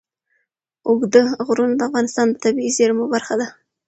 اوږده غرونه د افغانستان د طبیعي زیرمو برخه ده.